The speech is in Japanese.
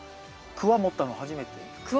クワ持ったの初めて。